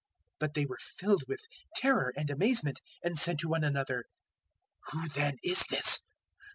But they were filled with terror and amazement, and said to one another, "Who then is this?